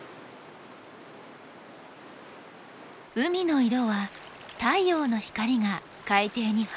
海の色は太陽の光が海底に反射した色。